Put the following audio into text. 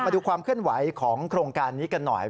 มาดูความเคลื่อนไหวของโครงการนี้กันหน่อย